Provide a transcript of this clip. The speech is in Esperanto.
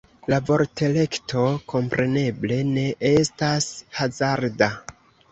La vortelekto kompreneble ne estas hazarda.